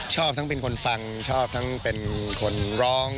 ชอบทั้งเป็นคนฟังชอบทั้งเป็นคนร้อง